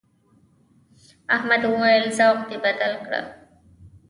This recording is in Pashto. احمد وويل: ذوق دې بدل کړه.